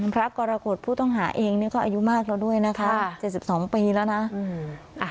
พระกรกฏผู้ต้องหาเองนี่ก็อายุมากแล้วด้วยนะคะ๗๒ปีแล้วนะ